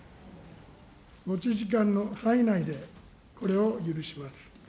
持ち時間の範囲内でこれを許します。